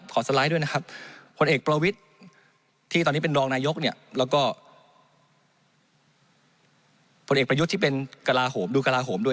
คนเอกประยุทธ์ที่มองเป็นกราห่มดูกราห่มด้วย